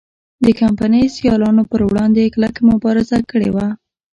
د کمپنۍ سیالانو پر وړاندې کلکه مبارزه کړې وه.